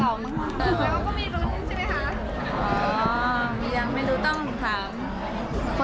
แสดงว่าก็มีรู้สิทธิ์ใช่ไหมคะอ๋อยังไม่รู้ต้องถาม